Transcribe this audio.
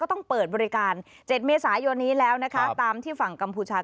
ต้องเปิดบริการ๗เมษายนนี้แล้วนะคะตามที่ฝั่งกัมพูชา